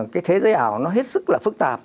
cái thế giới ảo nó hết sức là phức tạp